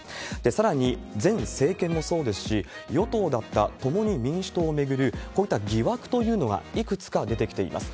さらに、前政権もそうですし、与党だった共に民主党を巡る、こういった疑惑というのがいくつか出てきています。